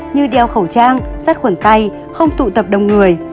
như đeo khẩu trang sát khuẩn tay không tụ tập đông người